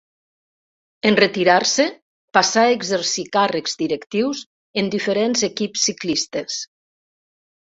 En retirar-se passà a exercir càrrecs directius en diferents equips ciclistes.